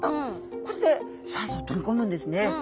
これで酸素を取り込むんですね。